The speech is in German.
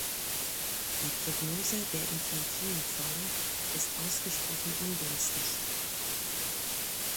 Die Prognose der infantilen Form ist ausgesprochen ungünstig.